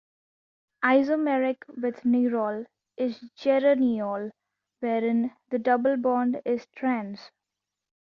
Isomeric with nerol is geraniol, wherein the double bond is trans.